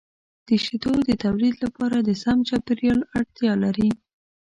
د شیدو د تولید لپاره د سم چاپیریال اړتیا لري.